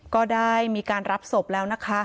ก็ได้มีการรับศพแล้วนะคะ